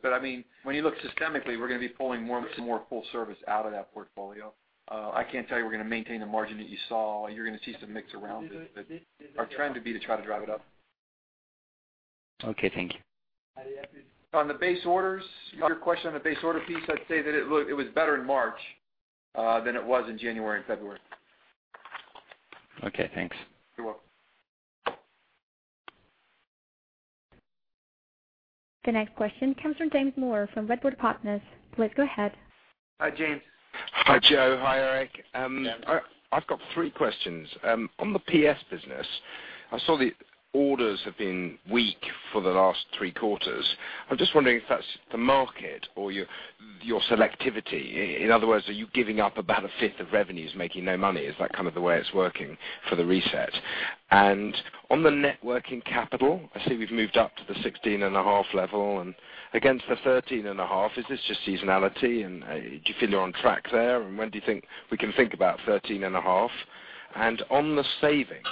[SPEAKER 2] when you look systemically, we're going to be pulling more and more full service out of that portfolio. I can't tell you we're going to maintain the margin that you saw. You're going to see some mix around it, our trend will be to try to drive it up.
[SPEAKER 10] Okay, thank you.
[SPEAKER 2] On the base orders, your question on the base order piece, I'd say that it was better in March, than it was in January and February.
[SPEAKER 10] Okay, thanks.
[SPEAKER 2] You're welcome.
[SPEAKER 1] The next question comes from James Moore from Redburn Partners. Please go ahead.
[SPEAKER 2] Hi, James.
[SPEAKER 11] Hi, Joe. Hi, Eric.
[SPEAKER 2] James.
[SPEAKER 11] I've got three questions. On the PS business, I saw the orders have been weak for the last three quarters. I'm just wondering if that's the market or your selectivity. In other words, are you giving up about a fifth of revenues, making no money? Is that kind of the way it's working for the reset? On the net working capital, I see we've moved up to the 16.5 level and against the 13.5, is this just seasonality, and do you feel you're on track there, and when do you think we can think about 13.5? On the savings,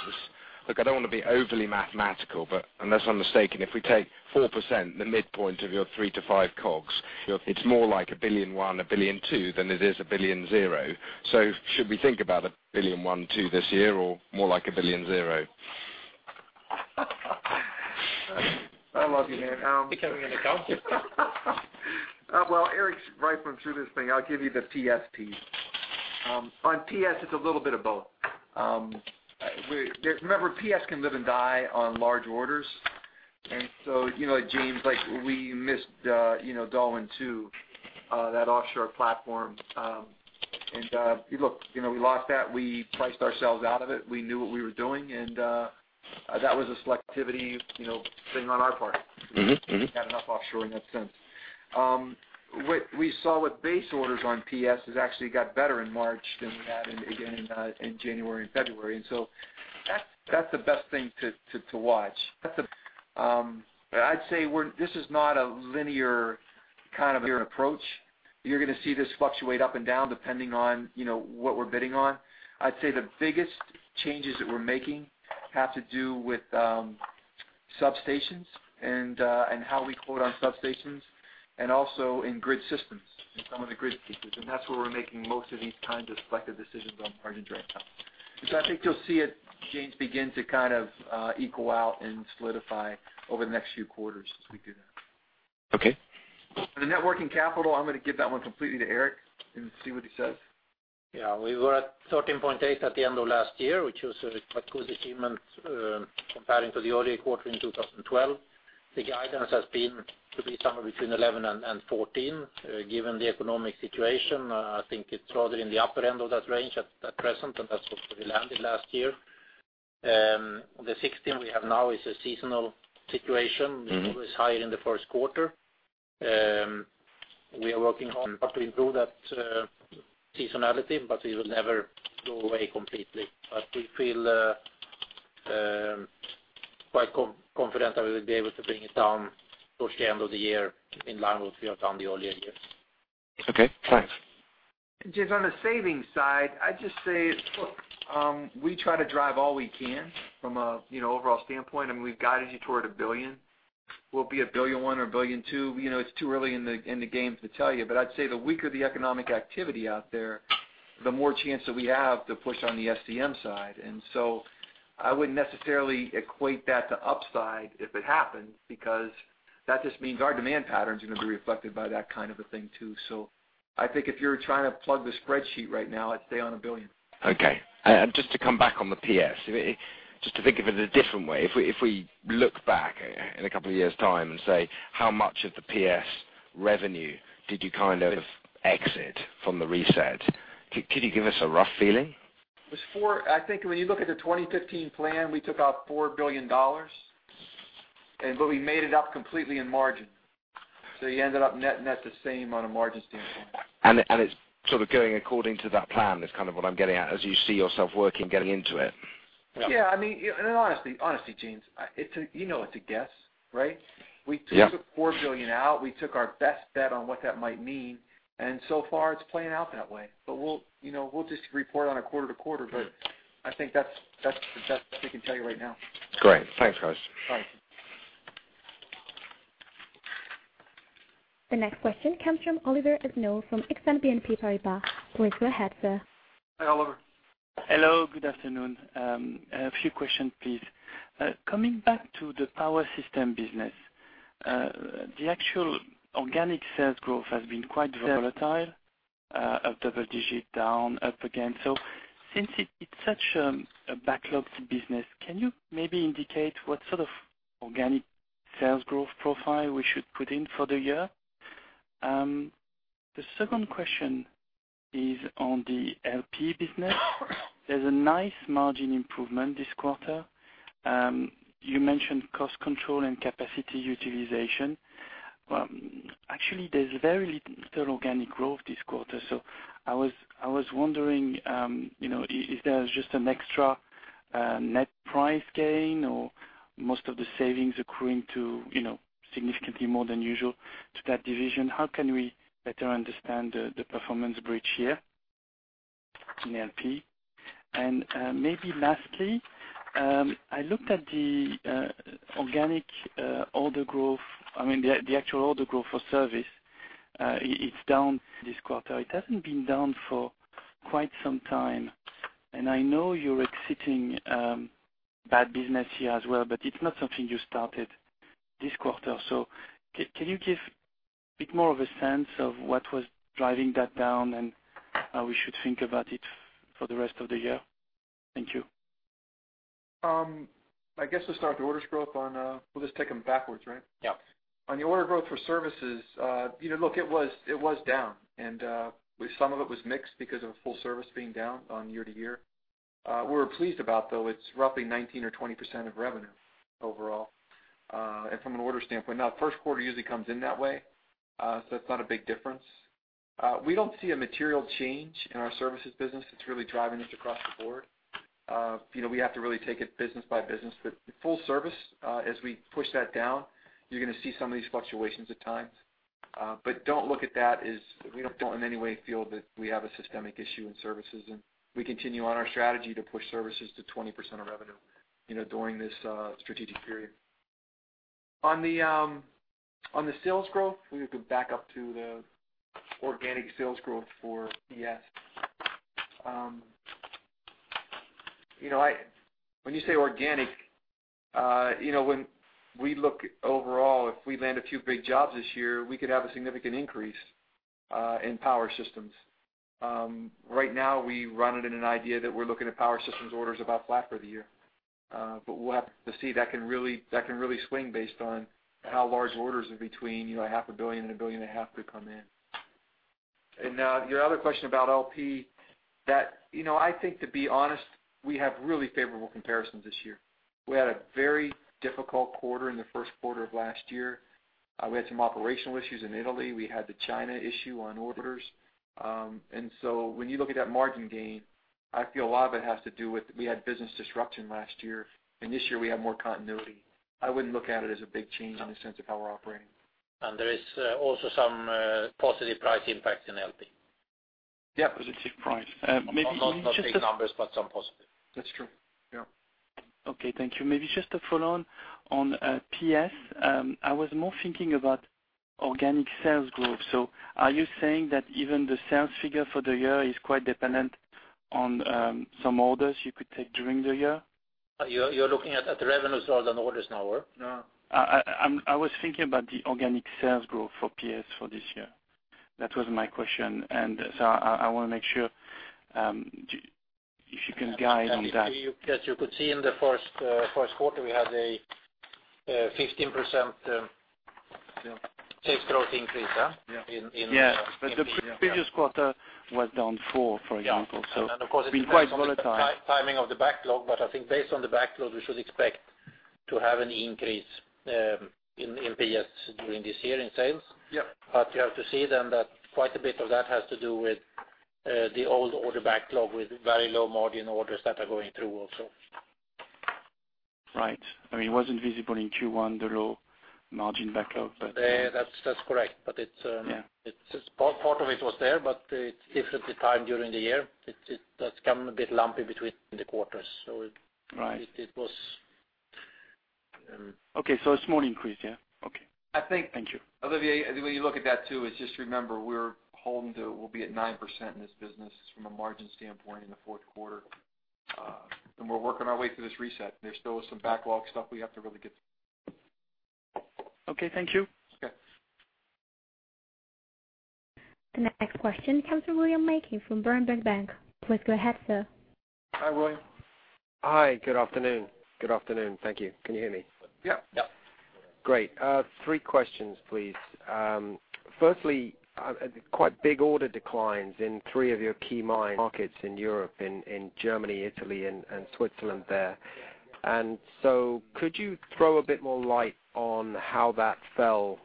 [SPEAKER 11] look, I don't want to be overly mathematical, but unless I'm mistaken, if we take 4%, the midpoint of your 3% to 5% COGS, it's more like $1.1 billion, $1.2 billion than it is $1 billion zero. Should we think about $1.1 billion, $1.2 billion this year or more like $1 billion zero?
[SPEAKER 2] I love you, man.
[SPEAKER 3] Becoming an accountant.
[SPEAKER 2] Well, Eric's rifling through this thing. I'll give you the PS piece. On PS, it's a little bit of both. Remember, PS can live and die on large orders. James, we missed Darwin Two, that offshore platform. Look, we lost that. We priced ourselves out of it. We knew what we were doing, and that was a selectivity thing on our part. We've had enough offshoring that since. What we saw with base orders on PS has actually got better in March than we had again in January and February. That's the best thing to watch. I'd say this is not a linear kind of approach. You're going to see this fluctuate up and down depending on what we're bidding on. I'd say the biggest changes that we're making have to do with substations and how we quote on substations, and also in grid systems, in some of the grid pieces. That's where we're making most of these kinds of selective decisions on our end right now. I think you'll see it, James, begin to kind of equal out and solidify over the next few quarters as we do that.
[SPEAKER 11] Okay.
[SPEAKER 2] On the net working capital, I'm going to give that one completely to Eric and see what he says.
[SPEAKER 3] Yeah. We were at 13.8 at the end of last year, which was a quite good achievement comparing to the earlier quarter in 2012. The guidance has been to be somewhere between 11 and 14. Given the economic situation, I think it's rather in the upper end of that range at present, and that's where we landed last year. The 16 we have now is a seasonal situation. It was higher in the first quarter. We are working hard to improve that seasonality, but it will never go away completely. We feel quite confident that we will be able to bring it down towards the end of the year in line with we have done the earlier years.
[SPEAKER 11] Okay, thanks.
[SPEAKER 2] James, on the savings side, I'd just say, look, we try to drive all we can from an overall standpoint, and we've guided you toward $1 billion. Will it be $1.1 billion or $1.2 billion? It's too early in the game to tell you, but I'd say the weaker the economic activity out there, the more chance that we have to push on the SDM side. I wouldn't necessarily equate that to upside if it happens, because that just means our demand patterns are going to be reflected by that kind of a thing, too. I think if you're trying to plug the spreadsheet right now, I'd stay on $1 billion.
[SPEAKER 11] Okay. Just to come back on the PS. Just to think of it a different way. If we look back in a couple of years' time and say, how much of the PS revenue did you kind of exit from the reset, could you give us a rough feeling?
[SPEAKER 2] I think when you look at the 2015 plan, we took out $4 billion, we made it up completely in margin. You ended up net the same on a margin standpoint.
[SPEAKER 11] It's sort of going according to that plan is kind of what I'm getting at, as you see yourself working, getting into it.
[SPEAKER 2] Yeah. Honestly, James, you know it's a guess, right?
[SPEAKER 11] Yeah.
[SPEAKER 2] We took $4 billion out. We took our best bet on what that might mean, so far, it's playing out that way. We'll just report on it quarter-to-quarter. I think that's the best we can tell you right now.
[SPEAKER 11] Great. Thanks, guys.
[SPEAKER 2] All right.
[SPEAKER 1] The next question comes from Olivier Eprono from BNP Paribas Exane. Please go ahead, sir.
[SPEAKER 2] Hi, Olivier.
[SPEAKER 12] Hello, good afternoon. A few questions, please. Coming back to the Power System business, the actual organic sales growth has been quite volatile, up double digit, down, up again. Since it's such a backlogged business, can you maybe indicate what sort of organic sales growth profile we should put in for the year? The second question is on the LP business. There's a nice margin improvement this quarter. You mentioned cost control and capacity utilization. Actually, there's very little organic growth this quarter. I was wondering, is there just an extra net price gain or most of the savings accruing to significantly more than usual to that division? How can we better understand the performance breach here in LP? And maybe lastly, I looked at the organic order growth. I mean, the actual order growth for service. It's down this quarter. It hasn't been down for quite some time. I know you're exiting bad business here as well, but it's not something you started this quarter. Can you give a bit more of a sense of what was driving that down, and how we should think about it for the rest of the year? Thank you.
[SPEAKER 2] I guess we'll start the orders growth. We'll just take them backwards, right? Yeah. On the order growth for services, it was down, and some of it was mixed because of full service being down year-over-year. We were pleased about, though, it's roughly 19% or 20% of revenue overall. From an order standpoint, now first quarter usually comes in that way, so it's not a big difference. We don't see a material change in our services business that's really driving this across the board. We have to really take it business by business. Full service, as we push that down, you're going to see some of these fluctuations at times. Don't look at that as We don't in any way feel that we have a systemic issue in services, and we continue on our strategy to push services to 20% of revenue during this strategic period. On the sales growth, we have to back up to the organic sales growth for PS. When you say organic, when we look overall, if we land a few big jobs this year, we could have a significant increase in Power Systems. Right now, we run it in an idea that we're looking at Power Systems orders about flat for the year. We'll have to see. That can really swing based on how large orders are between a half a billion and a billion and a half could come in. Your other question about LP, I think to be honest, we have really favorable comparisons this year. We had a very difficult quarter in the first quarter of last year. We had some operational issues in Italy. We had the China issue on orders. When you look at that margin gain, I feel a lot of it has to do with, we had business disruption last year, and this year we have more continuity. I wouldn't look at it as a big change in the sense of how we're operating.
[SPEAKER 3] There is also some positive price impacts in LP.
[SPEAKER 2] Yeah.
[SPEAKER 12] Positive price. Maybe.
[SPEAKER 3] Not big numbers, but some positive.
[SPEAKER 2] That's true. Yeah.
[SPEAKER 12] Okay, thank you. Maybe just to follow on PS. I was more thinking about organic sales growth. Are you saying that even the sales figure for the year is quite dependent on some orders you could take during the year?
[SPEAKER 3] You're looking at the revenues on the orders now, or?
[SPEAKER 12] I was thinking about the organic sales growth for PS for this year. That was my question, and so I want to make sure if you can guide on that.
[SPEAKER 3] As you could see in the first quarter, we had a 15% sales growth increase.
[SPEAKER 12] The previous quarter was down four, for example.
[SPEAKER 3] Yeah. Then, of course, it depends on
[SPEAKER 12] It's been quite volatile
[SPEAKER 3] timing of the backlog, I think based on the backlog, we should expect to have an increase in PS during this year in sales.
[SPEAKER 2] Yeah.
[SPEAKER 3] You have to see then that quite a bit of that has to do with the old order backlog, with very low-margin orders that are going through also.
[SPEAKER 12] Right. It wasn't visible in Q1, the low-margin backlog.
[SPEAKER 3] That's correct.
[SPEAKER 12] Yeah.
[SPEAKER 3] Part of it was there, but it's different the time during the year. That's come a bit lumpy between the quarters.
[SPEAKER 12] Right. Okay. A small increase, yeah? Okay. Thank you.
[SPEAKER 2] Olivier, the way you look at that too is just remember, we'll be at 9% in this business from a margin standpoint in the fourth quarter. We're working our way through this reset. There's still some backlog stuff we have to really get through.
[SPEAKER 12] Okay, thank you.
[SPEAKER 2] Okay.
[SPEAKER 1] The next question comes from William Mackie from Berenberg Bank. Please go ahead, sir.
[SPEAKER 2] Hi, William.
[SPEAKER 13] Hi, good afternoon. Thank you. Can you hear me?
[SPEAKER 2] Yeah.
[SPEAKER 3] Yeah.
[SPEAKER 13] Great. Three questions, please. Firstly, quite big order declines in three of your key markets in Europe, in Germany, Italy, and Switzerland there. Could you throw a bit more light on how that fell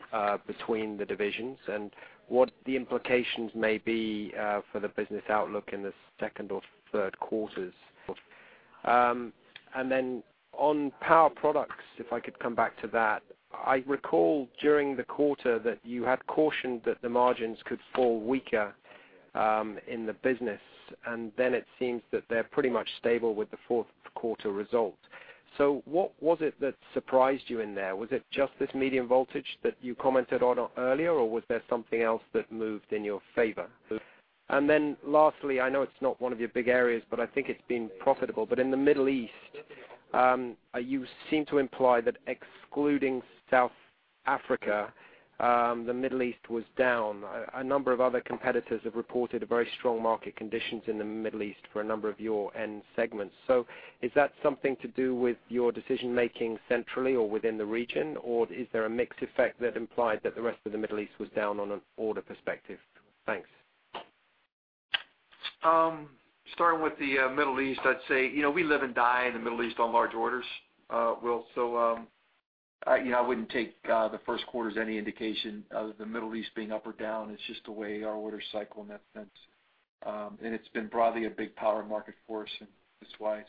[SPEAKER 13] between the divisions, and what the implications may be for the business outlook in the second or third quarters? On Power Products, if I could come back to that, I recall during the quarter that you had cautioned that the margins could fall weaker in the business, it seems that they're pretty much stable with the fourth quarter results. What was it that surprised you in there? Was it just this medium voltage that you commented on earlier, or was there something else that moved in your favor? Lastly, I know it's not one of your big areas, but I think it's been profitable. In the Middle East, you seem to imply that excluding South Africa, the Middle East was down. A number of other competitors have reported very strong market conditions in the Middle East for a number of your end segments. Is that something to do with your decision-making centrally or within the region, or is there a mixed effect that implied that the rest of the Middle East was down on an order perspective? Thanks.
[SPEAKER 2] Starting with the Middle East, I'd say, we live and die in the Middle East on large orders, Will. I wouldn't take the first quarter as any indication of the Middle East being up or down. It's just the way our orders cycle in that sense. It's been broadly a big power market for us, and that's why.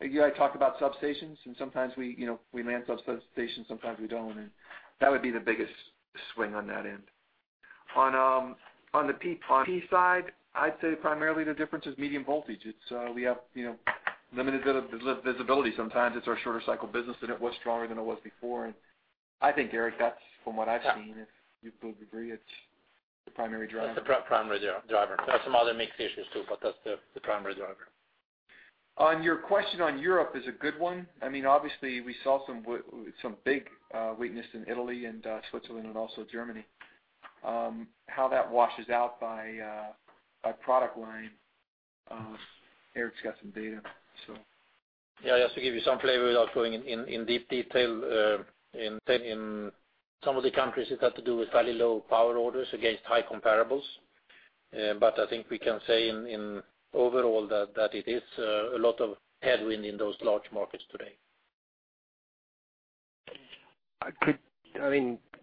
[SPEAKER 2] I talk about substations, and sometimes we land substations, sometimes we don't, and that would be the biggest swing on that end. On the P Side, I'd say primarily the difference is medium voltage. We have limited visibility sometimes. It's our shorter cycle business, and it was stronger than it was before. I think, Eric, that's from what I've seen, if you would agree, it's the primary driver.
[SPEAKER 3] That's the primary driver. There are some other mixed issues, too, but that's the primary driver.
[SPEAKER 2] On your question on Europe is a good one. Obviously, we saw some big weakness in Italy and Switzerland and also Germany. How that washes out by product line, Eric's got some data.
[SPEAKER 3] Yeah. Just to give you some flavor without going in deep detail, in some of the countries it had to do with fairly low power orders against high comparables. I think we can say overall that it is a lot of headwind in those large markets today.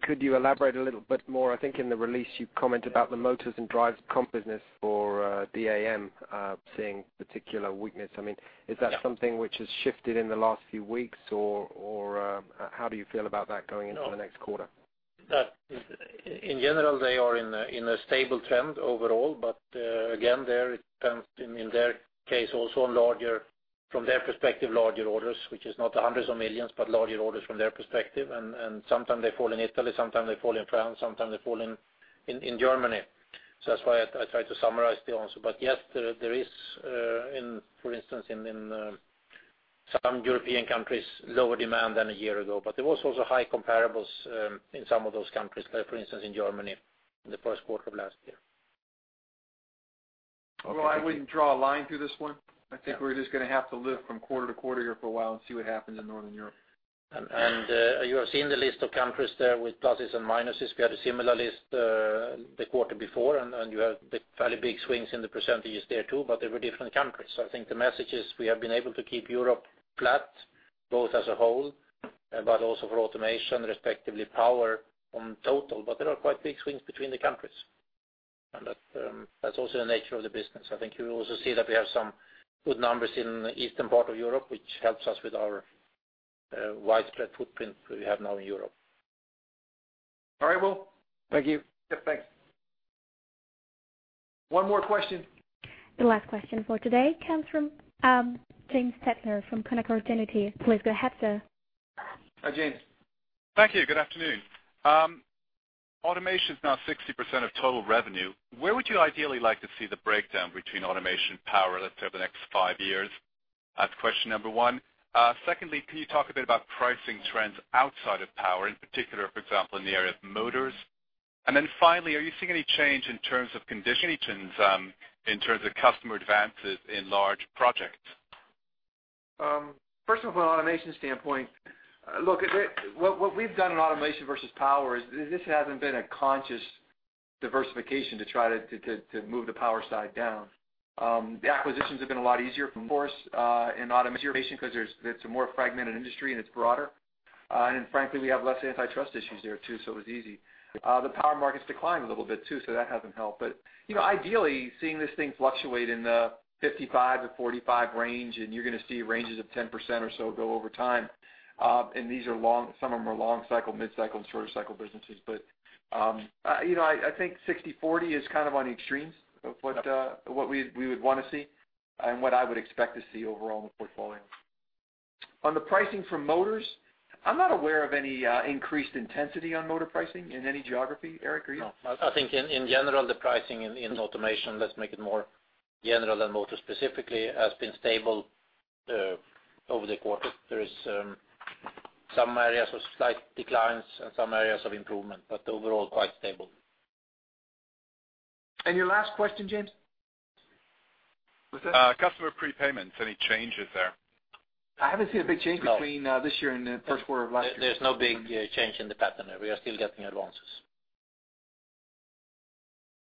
[SPEAKER 13] Could you elaborate a little bit more? I think in the release you comment about the motors and drives comp business for DM seeing particular weakness. Is that something which has shifted in the last few weeks, or how do you feel about that going into the next quarter?
[SPEAKER 3] In general, they are in a stable trend overall, again, in their case also from their perspective, larger orders, which is not hundreds of millions, but larger orders from their perspective. Sometimes they fall in Italy, sometimes they fall in France, sometimes they fall in Germany. That's why I try to summarize the answer. Yes, there is for instance, in some European countries, lower demand than a year ago. There was also high comparables in some of those countries, like for instance, in Germany in the first quarter of last year.
[SPEAKER 2] Well, I wouldn't draw a line through this one. I think we're just going to have to live from quarter to quarter here for a while and see what happens in Northern Europe.
[SPEAKER 3] You have seen the list of countries there with pluses and minuses. We had a similar list the quarter before, you have fairly big swings in the percentages there too, they were different countries. I think the message is we have been able to keep Europe flat, both as a whole, also for automation, respectively power on total. There are quite big swings between the countries, that's also the nature of the business. I think you will also see that we have some good numbers in the eastern part of Europe, which helps us with our widespread footprint we have now in Europe.
[SPEAKER 2] All right, Will.
[SPEAKER 13] Thank you. Yep, thanks. One more question.
[SPEAKER 1] The last question for today comes from [Tings Tettner] from [Canaccord Genuity]. Please go ahead, sir.
[SPEAKER 2] Hi, James.
[SPEAKER 14] Thank you. Good afternoon. Automation's now 60% of total revenue. Where would you ideally like to see the breakdown between automation power, let's say, over the next 5 years? That's question number 1. Secondly, can you talk a bit about pricing trends outside of power, in particular, for example, in the area of motors? Finally, are you seeing any change in terms of conditions in terms of customer advances in large projects?
[SPEAKER 2] First of all, from an automation standpoint, look, what we've done in automation versus power is this hasn't been a conscious diversification to try to move the power side down. The acquisitions have been a lot easier for us in automation because it's a more fragmented industry, and it's broader. Frankly, we have less antitrust issues there too, so it was easy. The power market's declined a little bit too, so that hasn't helped. Ideally, seeing this thing fluctuate in the 55-45 range, and you're going to see ranges of 10% or so go over time. Some of them are long cycle, mid-cycle, and shorter cycle businesses. I think 60/40 is kind of on the extremes of what we would want to see and what I would expect to see overall in the portfolio. On the pricing for motors, I'm not aware of any increased intensity on motor pricing in any geography. Eric, are you?
[SPEAKER 3] No. I think, in general, the pricing in automation, let's make it more general than motor specifically, has been stable over the quarter. There is some areas of slight declines and some areas of improvement, but, overall, quite stable.
[SPEAKER 2] Your last question, James?
[SPEAKER 14] Customer prepayments, any changes there?
[SPEAKER 2] I haven't seen a big change.
[SPEAKER 3] No
[SPEAKER 2] Between this year and the first quarter of last year.
[SPEAKER 3] There's no big change in the pattern. We are still getting advances.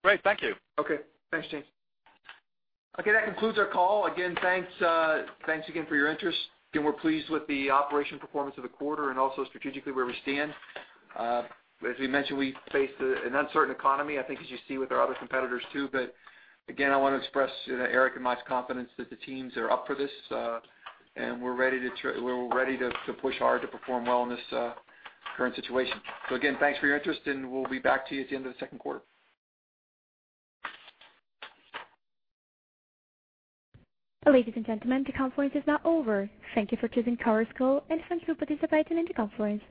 [SPEAKER 14] Great. Thank you.
[SPEAKER 2] Okay. Thanks, James. Okay. That concludes our call. Thanks again for your interest. We're pleased with the operation performance of the quarter and also strategically where we stand. As we mentioned, we face an uncertain economy, I think as you see with our other competitors too, I want to express Eric and my confidence that the teams are up for this, and we're ready to push hard to perform well in this current situation. Thanks for your interest, and we'll be back to you at the end of the second quarter.
[SPEAKER 1] Ladies and gentlemen, the conference is now over. Thank you for choosing conference call. For those who participated in the conference,